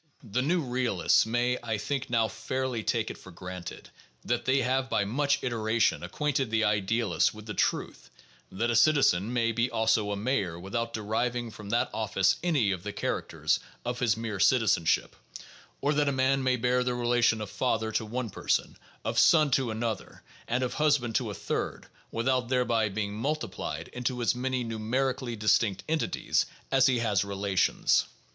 The new realists may, I think, now fairly take it for granted that they have by much iteration ac quainted the idealists with the truth that a citizen may be also a mayor without deriving from that office any of the characters of his mere citizenship, or that a man may bear the relation of father to one person, of son to another, and of husband to a third, without thereby being multiplied into as many numerically distinct entities as he has relations.